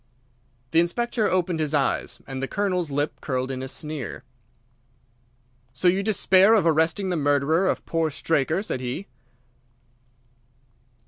The Inspector opened his eyes, and the Colonel's lip curled in a sneer. "So you despair of arresting the murderer of poor Straker," said he.